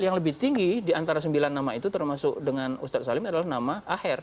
yang lebih tinggi diantara sembilan nama itu termasuk dengan ustadz salim adalah nama aher